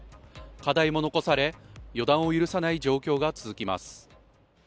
課題も残され、予断を許さない状況が続きます。